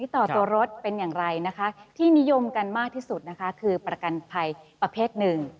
ต่อตัวรถเป็นอย่างไรที่นิยมกันมากที่สุดคือประกันภัยประเภท๑